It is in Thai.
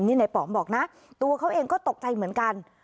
นี่นายป๋องบอกนะตัวเขาเองก็ตกใจเหมือนกัน